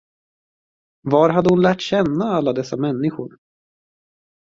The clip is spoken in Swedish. Var hade hon lärt känna alla dessa människor?